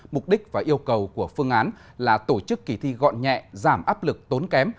mục đích và yêu cầu của phương án là tổ chức kỳ thi gọn nhẹ giảm áp lực tốn kém